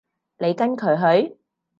你跟佢去？